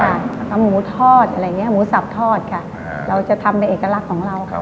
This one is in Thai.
ทำหมูทอดว่านี้หมูศัพท์ทอดเราจะทำในเอกลักษณ์ของเรา